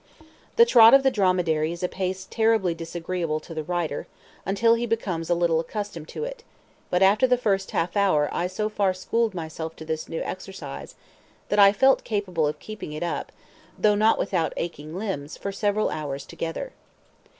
The trot of the dromedary is a pace terribly disagreeable to the rider, until he becomes a little accustomed to it; but after the first half hour I so far schooled myself to this new exercise, that I felt capable of keeping it up (though not without aching limbs) for several hours together.